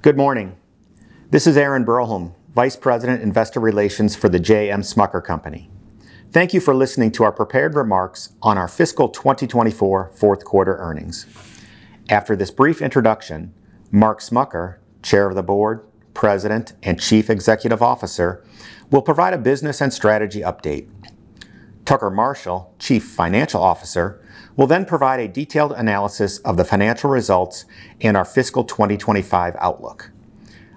Good morning. This is Aaron Broholm, Vice President, Investor Relations for the J.M. Smucker Company. Thank you for listening to our prepared remarks on our fiscal 2024 fourth quarter earnings. After this brief introduction, Mark Smucker, Chair of the Board, President, and Chief Executive Officer, will provide a business and strategy update. Tucker Marshall, Chief Financial Officer, will then provide a detailed analysis of the financial results in our fiscal 2025 outlook.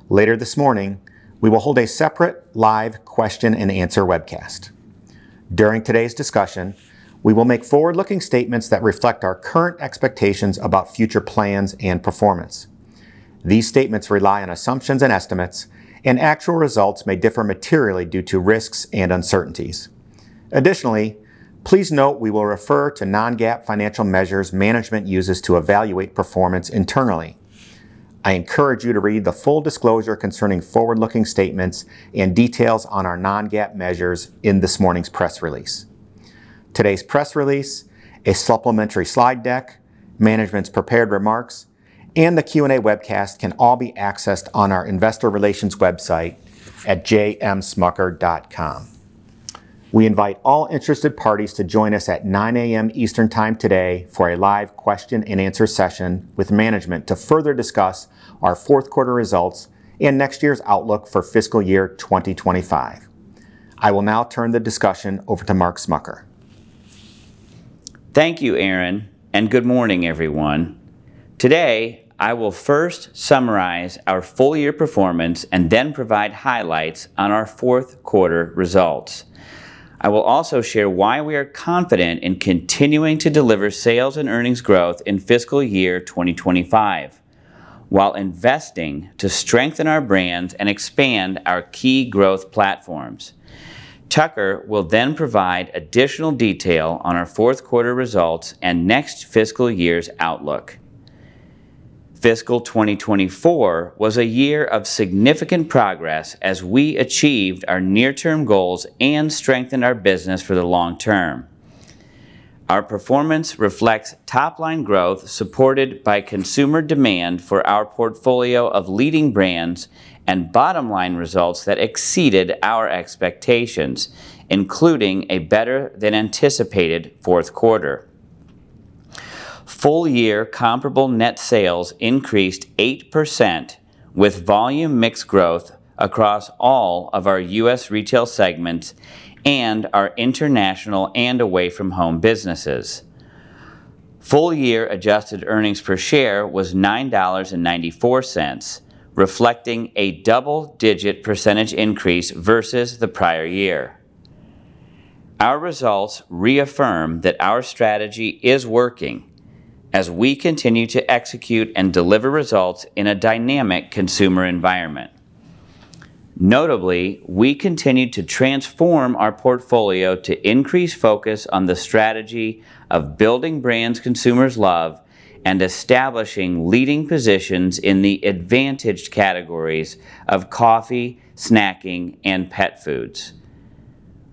Later this morning, we will hold a separate live question and answer webcast. During today's discussion, we will make forward-looking statements that reflect our current expectations about future plans and performance. These statements rely on assumptions and estimates, and actual results may differ materially due to risks and uncertainties. Additionally, please note we will refer to non-GAAP financial measures management uses to evaluate performance internally. I encourage you to read the full disclosure concerning forward-looking statements and details on our non-GAAP measures in this morning's press release. Today's press release, a supplementary slide deck, management's prepared remarks, and the Q&A webcast can all be accessed on our investor relations website at jmsmucker.com. We invite all interested parties to join us at 9:00 A.M. Eastern Time today for a live question and answer session with management to further discuss our fourth quarter results and next year's outlook for fiscal year 2025. I will now turn the discussion over to Mark Smucker. Thank you, Aaron, and good morning, everyone. Today, I will first summarize our full year performance and then provide highlights on our fourth quarter results. I will also share why we are confident in continuing to deliver sales and earnings growth in fiscal year 2025, while investing to strengthen our brands and expand our key growth platforms. Tucker will then provide additional detail on our fourth quarter results and next fiscal year's outlook. Fiscal 2024 was a year of significant progress as we achieved our near term goals and strengthened our business for the long term. Our performance reflects top-line growth, supported by consumer demand for our portfolio of leading brands and bottom-line results that exceeded our expectations, including a better than anticipated fourth quarter. Full year comparable net sales increased 8%, with volume mix growth across all of our U.S. retail segments and our international and away from home businesses. Full year adjusted earnings per share was $9.94, reflecting a double-digit % increase versus the prior year. Our results reaffirm that our strategy is working as we continue to execute and deliver results in a dynamic consumer environment. Notably, we continued to transform our portfolio to increase focus on the strategy of building brands consumers love and establishing leading positions in the advantaged categories of coffee, snacking, and pet foods.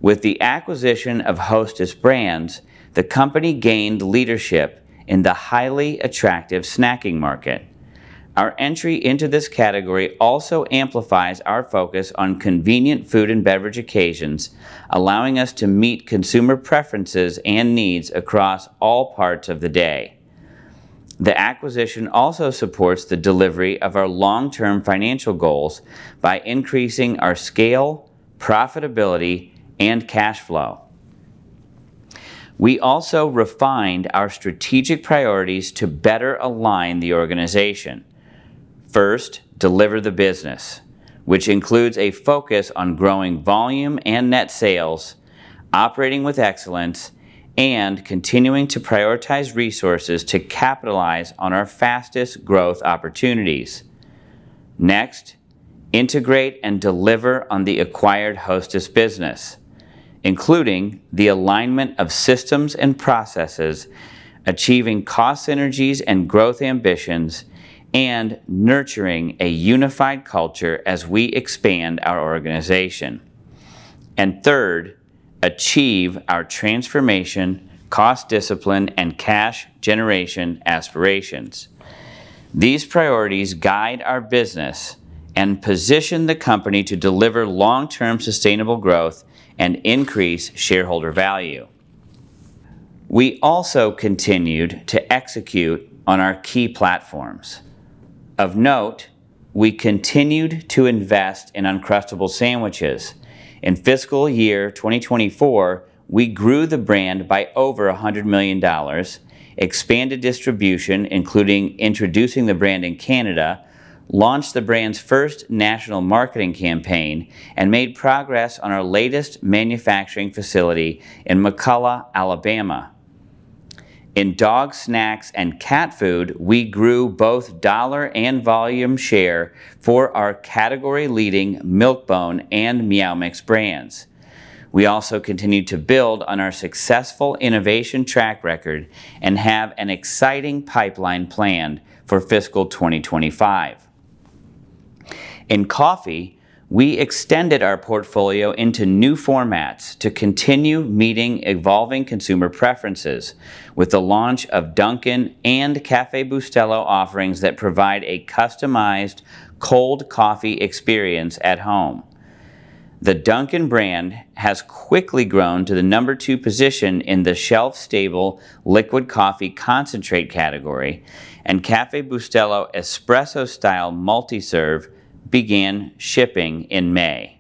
With the acquisition of Hostess Brands, the company gained leadership in the highly attractive snacking market. Our entry into this category also amplifies our focus on convenient food and beverage occasions, allowing us to meet consumer preferences and needs across all parts of the day. The acquisition also supports the delivery of our long-term financial goals by increasing our scale, profitability, and cash flow. We also refined our strategic priorities to better align the organization. First, deliver the business, which includes a focus on growing volume and net sales, operating with excellence, and continuing to prioritize resources to capitalize on our fastest growth opportunities. Next, integrate and deliver on the acquired Hostess business, including the alignment of systems and processes, achieving cost synergies and growth ambitions, and nurturing a unified culture as we expand our organization. Third, achieve our transformation, cost discipline, and cash generation aspirations. These priorities guide our business and position the company to deliver long-term sustainable growth and increase shareholder value. We also continued to execute on our key platforms. Of note, we continued to invest in Uncrustables sandwiches. In fiscal year 2024, we grew the brand by over $100 million, expanded distribution, including introducing the brand in Canada, launched the brand's first national marketing campaign, and made progress on our latest manufacturing facility in McCalla, Alabama. In dog snacks and cat food, we grew both dollar and volume share for our category-leading Milk-Bone and Meow Mix brands. We also continued to build on our successful innovation track record and have an exciting pipeline planned for fiscal 2025.... In coffee, we extended our portfolio into new formats to continue meeting evolving consumer preferences with the launch of Dunkin’ and Café Bustelo offerings that provide a customized cold coffee experience at home. The Dunkin’ brand has quickly grown to the No. 2 position in the shelf-stable liquid coffee concentrate category, and Café Bustelo Espresso Style Multi-Serve began shipping in May.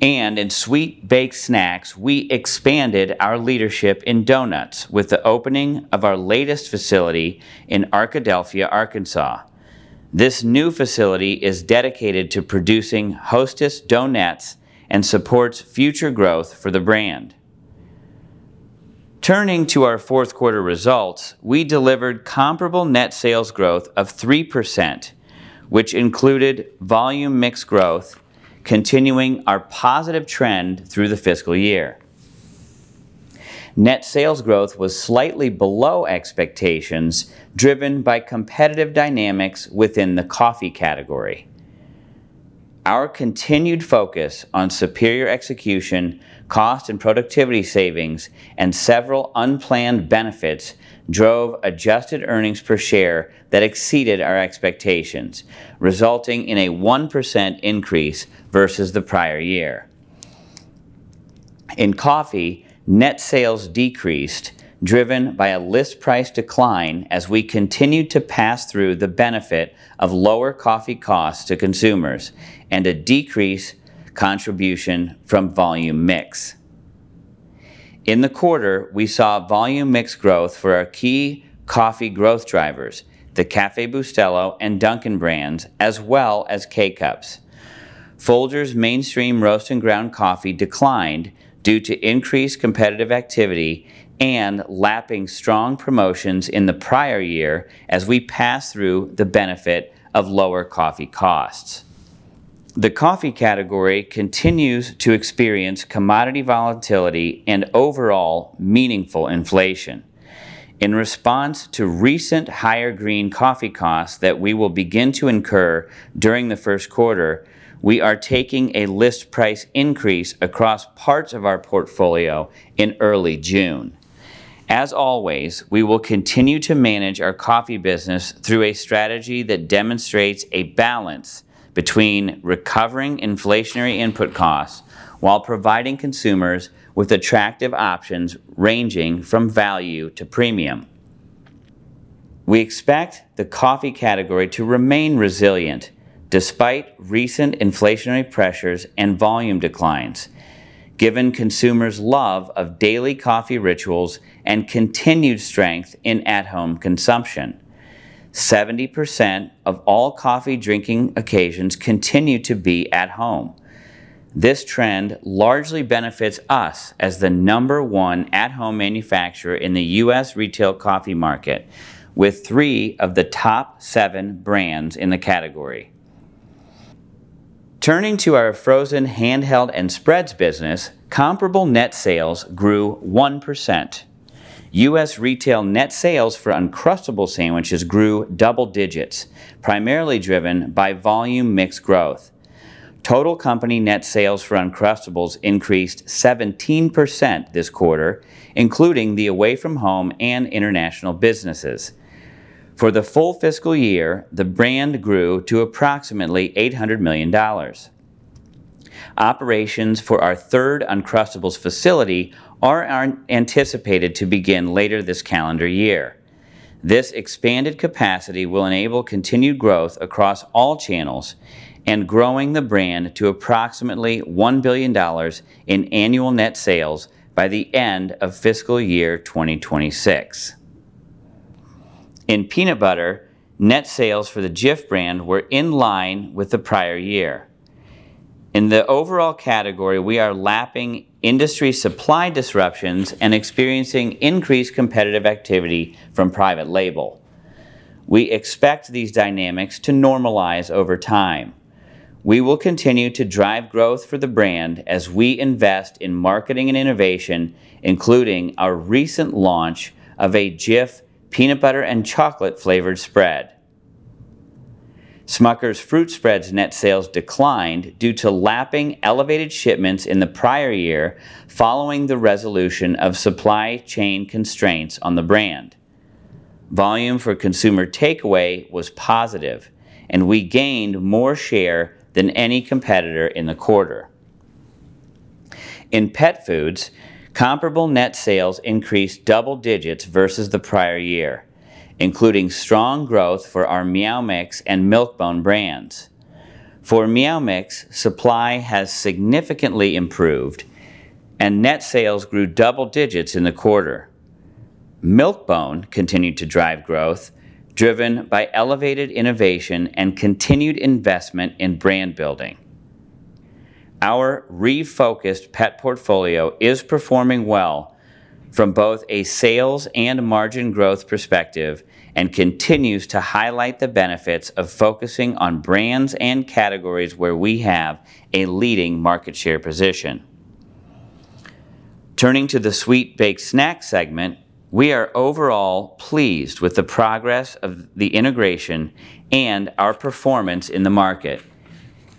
In sweet baked snacks, we expanded our leadership in donuts with the opening of our latest facility in Arkadelphia, Arkansas. This new facility is dedicated to producing Hostess Donettes and supports future growth for the brand. Turning to our fourth quarter results, we delivered comparable net sales growth of 3%, which included volume mix growth, continuing our positive trend through the fiscal year. Net sales growth was slightly below expectations, driven by competitive dynamics within the coffee category. Our continued focus on superior execution, cost and productivity savings, and several unplanned benefits drove Adjusted Earnings Per Share that exceeded our expectations, resulting in a 1% increase versus the prior year. In coffee, net sales decreased, driven by a list price decline as we continued to pass through the benefit of lower coffee costs to consumers and a decrease contribution from volume mix. In the quarter, we saw volume mix growth for our key coffee growth drivers, the Café Bustelo and Dunkin’ brands, as well as K-Cups. Folgers mainstream roast and ground coffee declined due to increased competitive activity and lapping strong promotions in the prior year as we pass through the benefit of lower coffee costs. The coffee category continues to experience commodity volatility and overall meaningful inflation. In response to recent higher green coffee costs that we will begin to incur during the first quarter, we are taking a list price increase across parts of our portfolio in early June. As always, we will continue to manage our coffee business through a strategy that demonstrates a balance between recovering inflationary input costs while providing consumers with attractive options ranging from value to premium. We expect the coffee category to remain resilient despite recent inflationary pressures and volume declines, given consumers' love of daily coffee rituals and continued strength in at-home consumption. 70% of all coffee drinking occasions continue to be at home. This trend largely benefits us as the number one at-home manufacturer in the U.S. retail coffee market, with three of the top seven brands in the category. Turning to our frozen, handheld, and spreads business, comparable net sales grew 1%. U.S. retail net sales for Uncrustables sandwiches grew double digits, primarily driven by volume mix growth. Total company net sales for Uncrustables increased 17% this quarter, including the away-from-home and international businesses. For the full fiscal year, the brand grew to approximately $800 million. Operations for our third Uncrustables facility are anticipated to begin later this calendar year. This expanded capacity will enable continued growth across all channels and growing the brand to approximately $1 billion in annual net sales by the end of fiscal year 2026. In peanut butter, net sales for the Jif brand were in line with the prior year. In the overall category, we are lapping industry supply disruptions and experiencing increased competitive activity from private label. We expect these dynamics to normalize over time. We will continue to drive growth for the brand as we invest in marketing and innovation, including our recent launch of a Jif peanut butter and chocolate flavored spread. Smucker’s fruit spreads net sales declined due to lapping elevated shipments in the prior year following the resolution of supply chain constraints on the brand. Volume for consumer takeaway was positive, and we gained more share than any competitor in the quarter. In pet foods, comparable net sales increased double digits versus the prior year, including strong growth for our Meow Mix and Milk-Bone brands. For Meow Mix, supply has significantly improved, and net sales grew double digits in the quarter. Milk-Bone continued to drive growth, driven by elevated innovation and continued investment in brand building. Our refocused pet portfolio is performing well from both a sales and margin growth perspective and continues to highlight the benefits of focusing on brands and categories where we have a leading market share position.... Turning to the sweet baked snack segment, we are overall pleased with the progress of the integration and our performance in the market,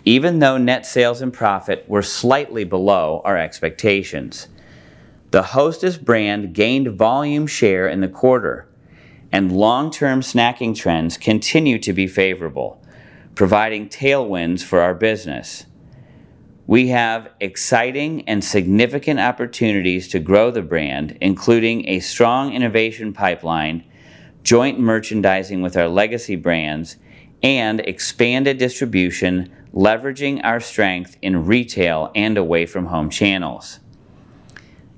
even though net sales and profit were slightly below our expectations. The Hostess brand gained volume share in the quarter, and long-term snacking trends continue to be favorable, providing tailwinds for our business. We have exciting and significant opportunities to grow the brand, including a strong innovation pipeline, joint merchandising with our legacy brands, and expanded distribution, leveraging our strength in retail and away from home channels.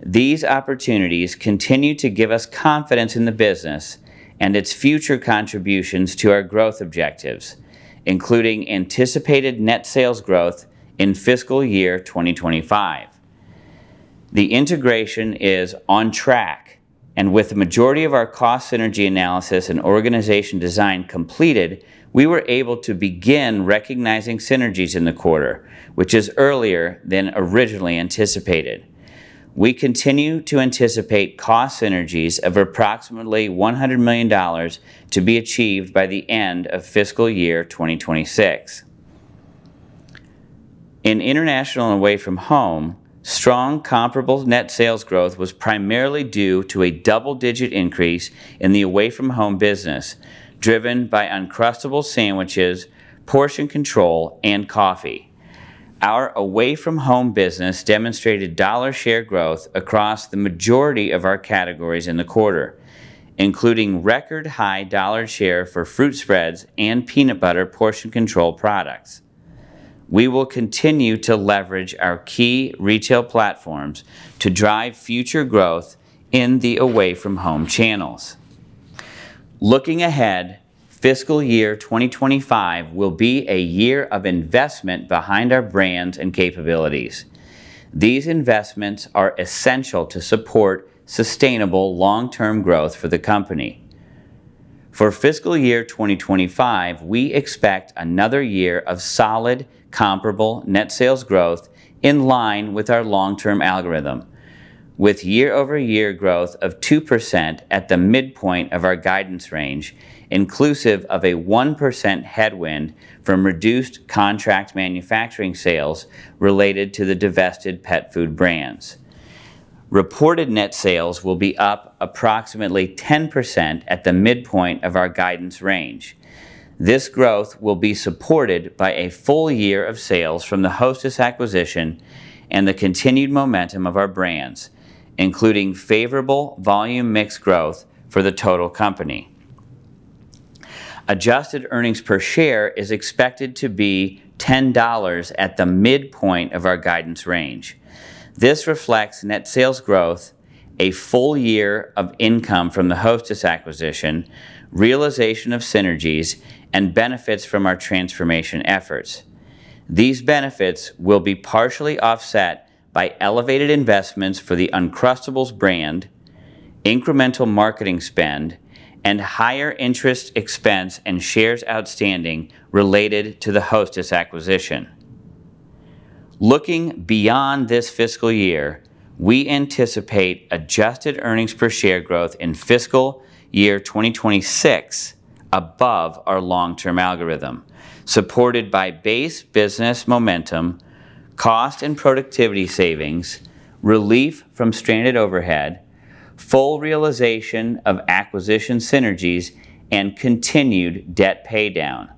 These opportunities continue to give us confidence in the business and its future contributions to our growth objectives, including anticipated net sales growth in fiscal year 2025. The integration is on track, and with the majority of our cost synergy analysis and organization design completed, we were able to begin recognizing synergies in the quarter, which is earlier than originally anticipated. We continue to anticipate cost synergies of approximately $100 million to be achieved by the end of fiscal year 2026. In international and away from home, strong comparable net sales growth was primarily due to a double-digit increase in the away from home business, driven by Uncrustables sandwiches, portion control, and coffee. Our away from home business demonstrated dollar share growth across the majority of our categories in the quarter, including record high dollar share for fruit spreads and peanut butter portion control products. We will continue to leverage our key retail platforms to drive future growth in the away from home channels. Looking ahead, fiscal year 2025 will be a year of investment behind our brands and capabilities. These investments are essential to support sustainable long-term growth for the company. For fiscal year 2025, we expect another year of solid comparable net sales growth in line with our long-term algorithm, with year-over-year growth of 2% at the midpoint of our guidance range, inclusive of a 1% headwind from reduced contract manufacturing sales related to the divested pet food brands. Reported net sales will be up approximately 10% at the midpoint of our guidance range. This growth will be supported by a full year of sales from the Hostess acquisition and the continued momentum of our brands, including favorable volume mix growth for the total company. Adjusted earnings per share is expected to be $10 at the midpoint of our guidance range. This reflects net sales growth, a full year of income from the Hostess acquisition, realization of synergies, and benefits from our transformation efforts. These benefits will be partially offset by elevated investments for the Uncrustables brand, incremental marketing spend, and higher interest expense and shares outstanding related to the Hostess acquisition. Looking beyond this fiscal year, we anticipate adjusted earnings per share growth in fiscal year 2026 above our long-term algorithm, supported by base business momentum, cost and productivity savings, relief from stranded overhead, full realization of acquisition synergies, and continued debt paydown.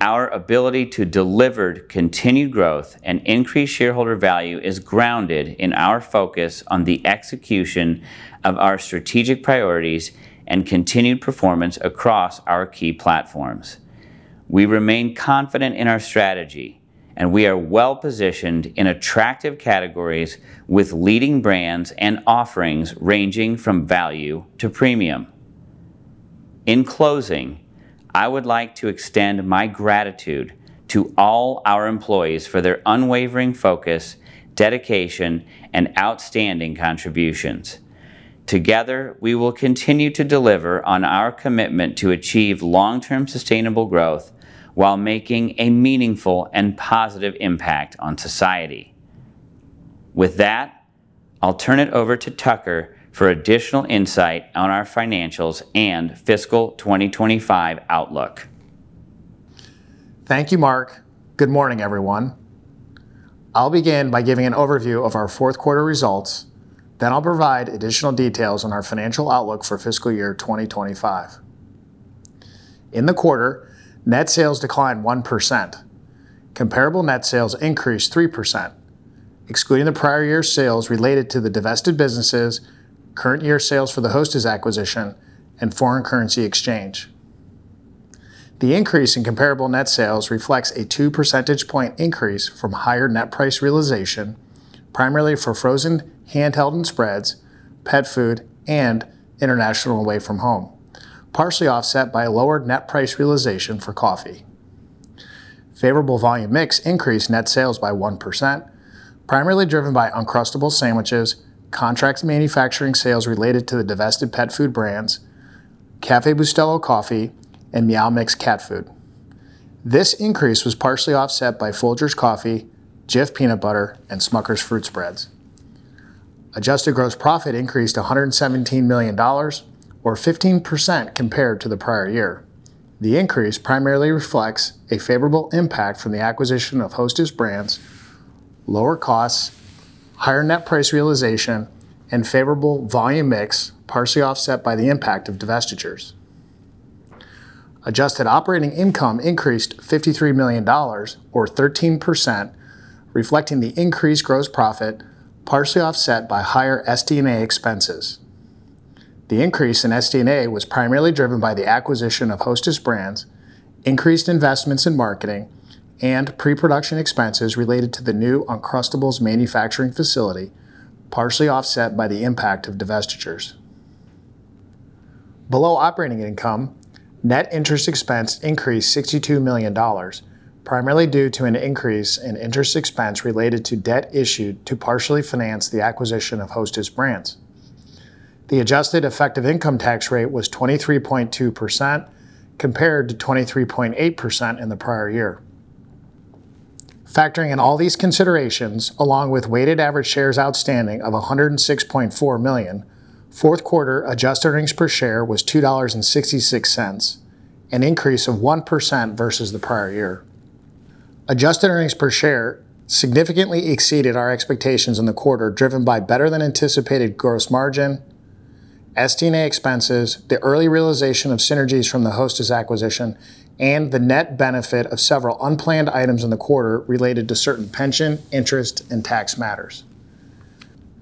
Our ability to deliver continued growth and increase shareholder value is grounded in our focus on the execution of our strategic priorities and continued performance across our key platforms. We remain confident in our strategy, and we are well positioned in attractive categories with leading brands and offerings ranging from value to premium. In closing, I would like to extend my gratitude to all our employees for their unwavering focus, dedication, and outstanding contributions. Together, we will continue to deliver on our commitment to achieve long-term sustainable growth while making a meaningful and positive impact on society. With that, I'll turn it over to Tucker for additional insight on our financials and fiscal 2025 outlook. Thank you, Mark. Good morning, everyone. I'll begin by giving an overview of our fourth quarter results, then I'll provide additional details on our financial outlook for fiscal year 2025. In the quarter, net sales declined 1%. Comparable net sales increased 3%, excluding the prior year sales related to the divested businesses, current year sales for the Hostess acquisition, and foreign currency exchange. The increase in comparable net sales reflects a two percentage point increase from higher net price realization, primarily for frozen, handheld and spreads, pet food, and international away from home, partially offset by a lower net price realization for coffee. Favorable volume mix increased net sales by 1%, primarily driven by Uncrustables sandwiches, contract manufacturing sales related to the divested pet food brands, Café Bustelo Coffee, and Meow Mix Cat Food. This increase was partially offset by Folgers Coffee, Jif Peanut Butter, and Smucker's Fruit Spreads. Adjusted gross profit increased to $117 million or 15% compared to the prior year. The increase primarily reflects a favorable impact from the acquisition of Hostess Brands, lower costs, higher net price realization, and favorable volume mix, partially offset by the impact of divestitures. Adjusted operating income increased $53 million or 13%, reflecting the increased gross profit, partially offset by higher SDMA expenses. The increase in SD&A was primarily driven by the acquisition of Hostess Brands, increased investments in marketing, and pre-production expenses related to the new Uncrustables manufacturing facility, partially offset by the impact of divestitures. Below operating income, net interest expense increased $62 million, primarily due to an increase in interest expense related to debt issued to partially finance the acquisition of Hostess Brands. The adjusted effective income tax rate was 23.2%, compared to 23.8% in the prior year. Factoring in all these considerations, along with weighted average shares outstanding of 106.4 million, fourth quarter adjusted earnings per share was $2.66, an increase of 1% versus the prior year. Adjusted earnings per share significantly exceeded our expectations in the quarter, driven by better-than-anticipated gross margin, SDMA expenses, the early realization of synergies from the Hostess acquisition, and the net benefit of several unplanned items in the quarter related to certain pension, interest, and tax matters.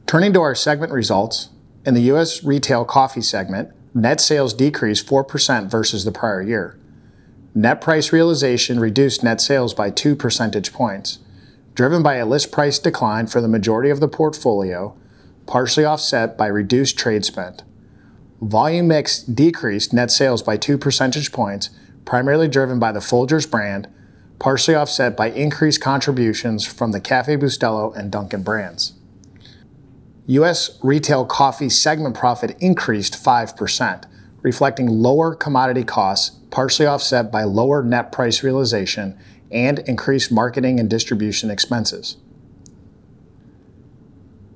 Turning to our segment results, in the U.S. Retail Coffee segment, net sales decreased 4% versus the prior year. Net price realization reduced net sales by 2 percentage points, driven by a list price decline for the majority of the portfolio, partially offset by reduced trade spend. Volume mix decreased net sales by 2 percentage points, primarily driven by the Folgers brand, partially offset by increased contributions from the Café Bustelo and Dunkin’ brands. U.S. Retail Coffee segment profit increased 5%, reflecting lower commodity costs, partially offset by lower net price realization and increased marketing and distribution expenses.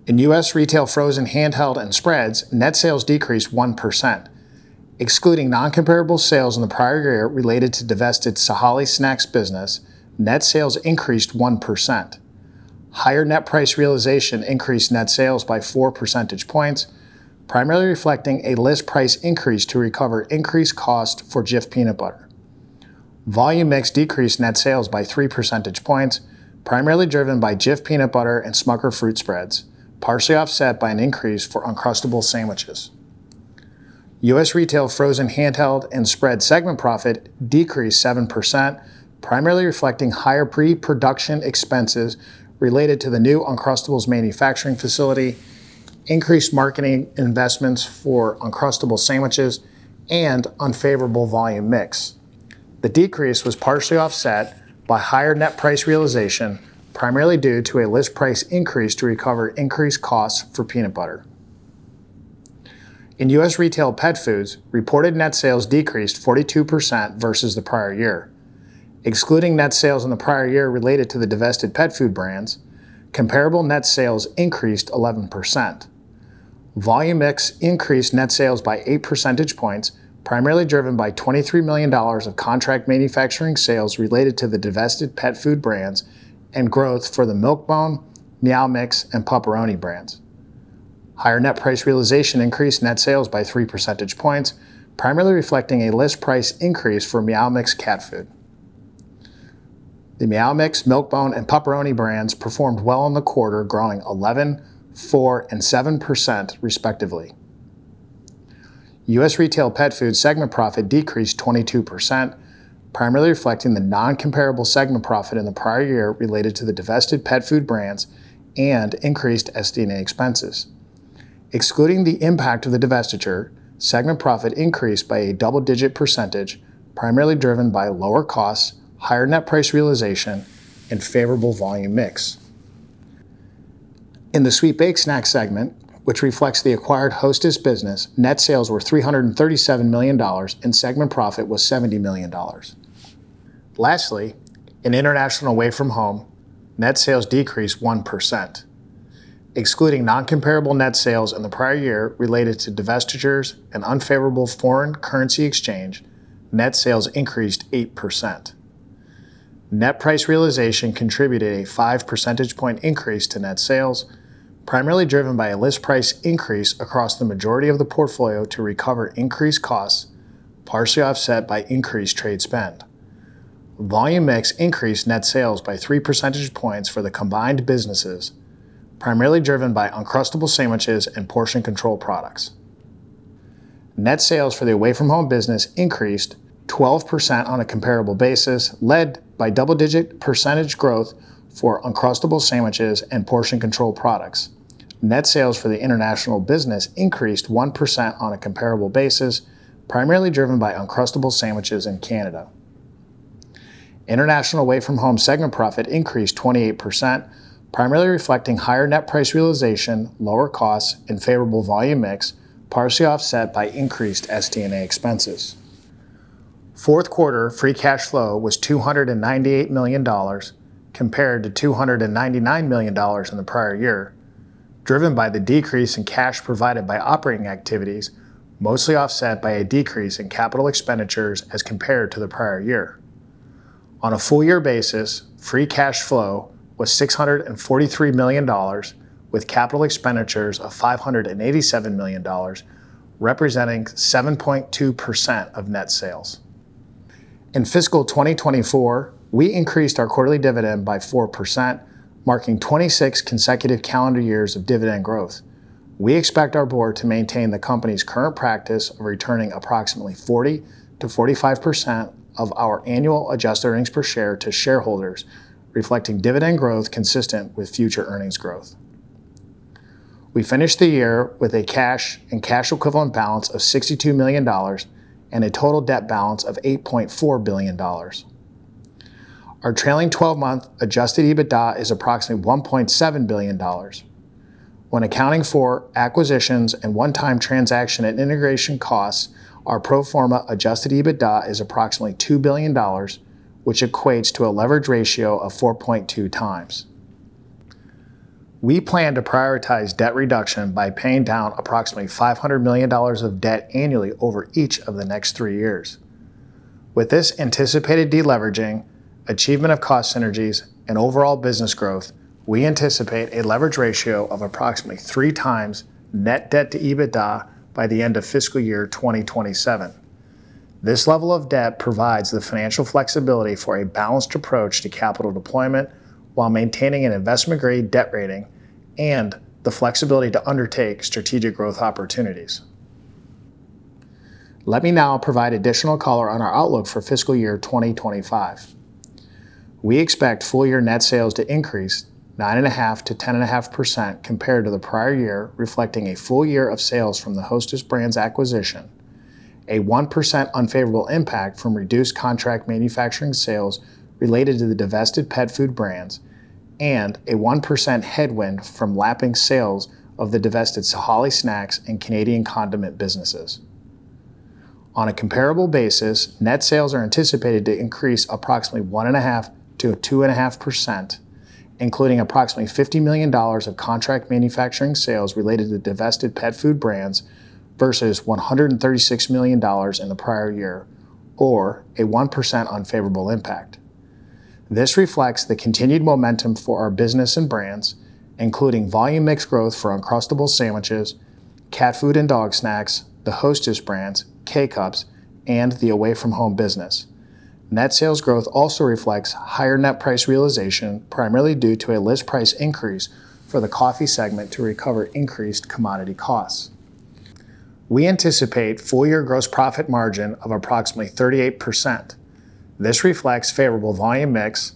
In U.S. Retail Frozen Handheld and Spreads, net sales decreased 1%. Excluding non-comparable sales in the prior year related to divested Sahale Snacks business, net sales increased 1%. Higher net price realization increased net sales by 4 percentage points, primarily reflecting a list price increase to recover increased cost for Jif Peanut Butter. Volume mix decreased net sales by 3 percentage points, primarily driven by Jif Peanut Butter and Smucker's Fruit Spreads, partially offset by an increase for Uncrustables sandwiches. U.S. Retail Frozen Handheld and Spread segment profit decreased 7%, primarily reflecting higher pre-production expenses related to the new Uncrustables manufacturing facility, increased marketing investments for Uncrustables sandwiches, and unfavorable volume mix. The decrease was partially offset by higher net price realization, primarily due to a list price increase to recover increased costs for peanut butter. In U.S. Retail Pet Foods, reported net sales decreased 42% versus the prior year. Excluding net sales in the prior year related to the divested pet food brands, comparable net sales increased 11%. Volume mix increased net sales by 8 percentage points, primarily driven by $23 million of contract manufacturing sales related to the divested pet food brands and growth for the Milk-Bone, Meow Mix, and Pup-Peroni brands. Higher net price realization increased net sales by 3 percentage points, primarily reflecting a list price increase for Meow Mix cat food. The Meow Mix, Milk-Bone, and Pup-Peroni brands performed well in the quarter, growing 11%, 4%, and 7%, respectively. U.S. Retail Pet Food segment profit decreased 22%, primarily reflecting the non-comparable segment profit in the prior year related to the divested pet food brands and increased SD&A expenses. Excluding the impact of the divestiture, segment profit increased by a double-digit percentage, primarily driven by lower costs, higher net price realization, and favorable volume mix. In the Sweet Baked Snack segment, which reflects the acquired Hostess business, net sales were $337 million, and segment profit was $70 million. Lastly, in International Away From Home, net sales decreased 1%. Excluding non-comparable net sales in the prior year related to divestitures and unfavorable foreign currency exchange, net sales increased 8%. Net price realization contributed a 5 percentage point increase to net sales, primarily driven by a list price increase across the majority of the portfolio to recover increased costs, partially offset by increased trade spend. Volume mix increased net sales by 3 percentage points for the combined businesses, primarily driven by Uncrustables sandwiches and portion control products. Net sales for the Away From Home business increased 12% on a comparable basis, led by double-digit percentage growth for Uncrustables sandwiches and portion control products. Net sales for the international business increased 1% on a comparable basis, primarily driven by Uncrustables sandwiches in Canada. International Away From Home segment profit increased 28%, primarily reflecting higher net price realization, lower costs, and favorable volume mix, partially offset by increased SDMA expenses. Fourth quarter free cash flow was $298 million, compared to $299 million in the prior year, driven by the decrease in cash provided by operating activities, mostly offset by a decrease in capital expenditures as compared to the prior year. On a full year basis, free cash flow was $643 million, with capital expenditures of $587 million, representing 7.2% of net sales. In fiscal 2024, we increased our quarterly dividend by 4%, marking 26 consecutive calendar years of dividend growth. We expect our board to maintain the company's current practice of returning approximately 40%-45% of our annual Adjusted Earnings Per Share to shareholders, reflecting dividend growth consistent with future earnings growth. We finished the year with a cash and cash equivalent balance of $62 million and a total debt balance of $8.4 billion. Our trailing twelve-month Adjusted EBITDA is approximately $1.7 billion. When accounting for acquisitions and one-time transaction and integration costs, our pro forma Adjusted EBITDA is approximately $2 billion, which equates to a leverage ratio of 4.2 times. We plan to prioritize debt reduction by paying down approximately $500 million of debt annually over each of the next three years. With this anticipated deleveraging, achievement of cost synergies, and overall business growth, we anticipate a leverage ratio of approximately 3x net debt to EBITDA by the end of fiscal year 2027. This level of debt provides the financial flexibility for a balanced approach to capital deployment while maintaining an investment-grade debt rating and the flexibility to undertake strategic growth opportunities. Let me now provide additional color on our outlook for fiscal year 2025. We expect full-year net sales to increase 9.5%-10.5% compared to the prior year, reflecting a full year of sales from the Hostess Brands acquisition, a 1% unfavorable impact from reduced contract manufacturing sales related to the divested pet food brands, and a 1% headwind from lapping sales of the divested Sahale Snacks and Canadian condiment businesses. On a comparable basis, net sales are anticipated to increase approximately 1.5%-2.5%, including approximately $50 million of contract manufacturing sales related to divested pet food brands versus $136 million in the prior year, or a 1% unfavorable impact. This reflects the continued momentum for our business and brands, including volume mix growth for Uncrustables sandwiches, cat food and dog snacks, the Hostess Brands, K-Cups, and the away-from-home business. Net sales growth also reflects higher net price realization, primarily due to a list price increase for the coffee segment to recover increased commodity costs. We anticipate full-year gross profit margin of approximately 38%. This reflects favorable volume mix,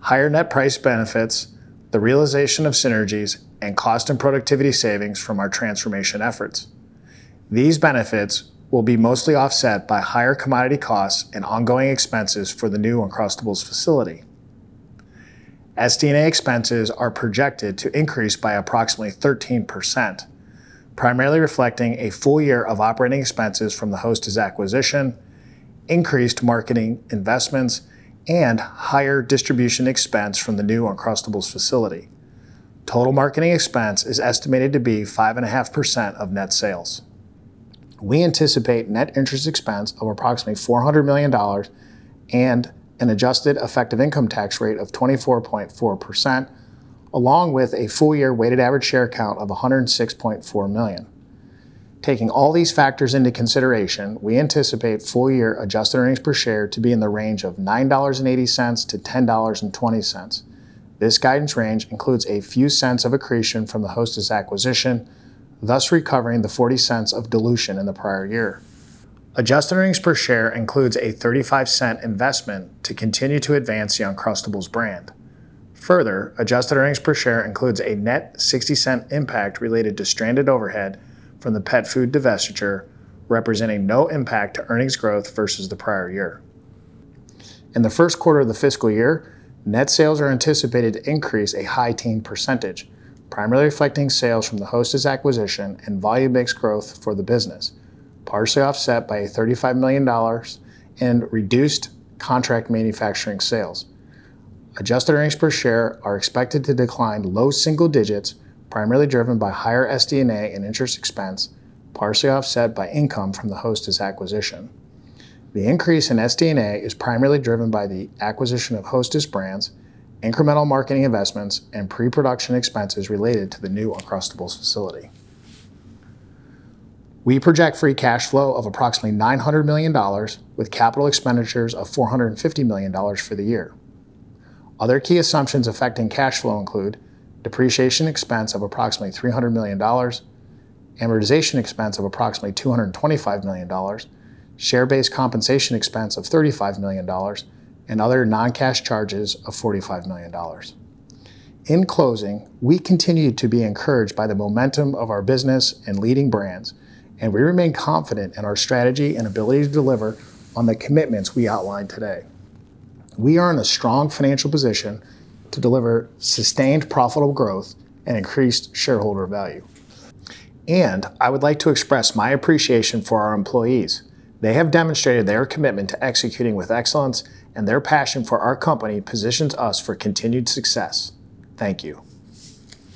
higher net price benefits, the realization of synergies, and cost and productivity savings from our transformation efforts. These benefits will be mostly offset by higher commodity costs and ongoing expenses for the new Uncrustables facility. SD&A expenses are projected to increase by approximately 13%, primarily reflecting a full year of operating expenses from the Hostess acquisition, increased marketing investments, and higher distribution expense from the new Uncrustables facility. Total marketing expense is estimated to be 5.5% of net sales. We anticipate net interest expense of approximately $400 million and an adjusted effective income tax rate of 24.4%, along with a full-year weighted average share count of 106.4 million. Taking all these factors into consideration, we anticipate full-year adjusted earnings per share to be in the range of $9.80-$10.20. This guidance range includes a few cents of accretion from the Hostess acquisition, thus recovering the $0.40 of dilution in the prior year. Adjusted earnings per share includes a $0.35 investment to continue to advance the Uncrustables brand. Further, adjusted earnings per share includes a net $0.60 impact related to stranded overhead from the pet food divestiture, representing no impact to earnings growth versus the prior year. In the first quarter of the fiscal year, net sales are anticipated to increase a high-teens %, primarily reflecting sales from the Hostess acquisition and volume mix growth for the business, partially offset by $35 million in reduced contract manufacturing sales. Adjusted earnings per share are expected to decline low-single-digits %, primarily driven by higher SD&A and interest expense, partially offset by income from the Hostess acquisition. The increase in SD&A is primarily driven by the acquisition of Hostess Brands, incremental marketing investments, and pre-production expenses related to the new Uncrustables facility. We project free cash flow of approximately $900 million, with capital expenditures of $450 million for the year. Other key assumptions affecting cash flow include depreciation expense of approximately $300 million, amortization expense of approximately $225 million, share-based compensation expense of $35 million, and other non-cash charges of $45 million. In closing, we continue to be encouraged by the momentum of our business and leading brands, and we remain confident in our strategy and ability to deliver on the commitments we outlined today. We are in a strong financial position to deliver sustained, profitable growth and increased shareholder value. I would like to express my appreciation for our employees. They have demonstrated their commitment to executing with excellence, and their passion for our company positions us for continued success. Thank you.